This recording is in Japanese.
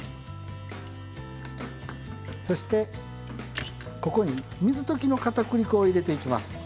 そしてここに水溶きのかたくり粉を入れていきます。